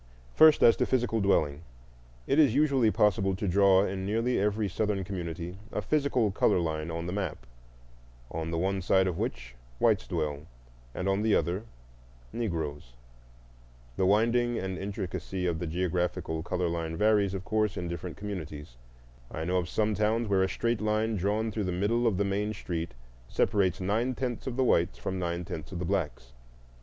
First, as to physical dwelling. It is usually possible to draw in nearly every Southern community a physical color line on the map, on the one side of which whites dwell and on the other Negroes. The winding and intricacy of the geographical color line varies, of course, in different communities. I know some towns where a straight line drawn through the middle of the main street separates nine tenths of the whites from nine tenths of the blacks.